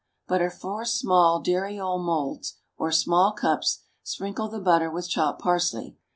= Butter four small dariole moulds, or small cups; sprinkle the butter with chopped parsley.